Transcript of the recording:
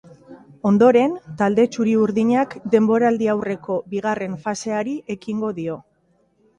Ondoren, talde txuri urdinak denboraldiaurreko bigarren faseari ekingo dio.